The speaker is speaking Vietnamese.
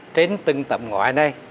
trên từng tầm ngõi này